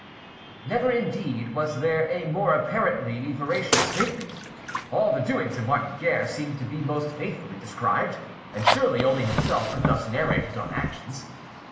Never, indeed, was there a more apparently veracious statement! All the doings of Martin Guerre seemed to be most faithfully described, and surely only himself could thus narrate his own actions.